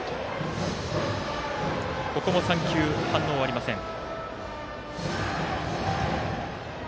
ここも３球、反応ありません。